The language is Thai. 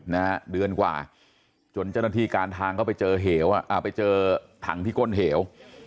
นะฮะเดือนกว่าจนเจ้าหน้าที่การทางเข้าไปเจอเหวอ่ะอ่าไปเจอถังที่ก้นเหว